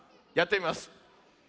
やってみます。